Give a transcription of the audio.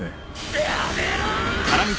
やめろ！